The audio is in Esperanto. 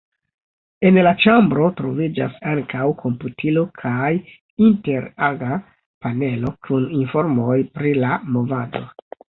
En la ĉambro troviĝas ankaŭ komputilo kaj inter-aga panelo kun informoj pri la movado.